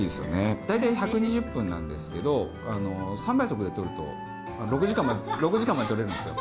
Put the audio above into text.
大体１２０分なんですけど、３倍速で録ると、６時間まで録れるんですよ。